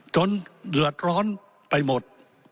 จนเหลือร้อนไปหมด